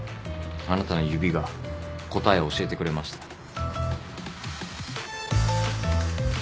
あなたの指が答えを教えてくれました。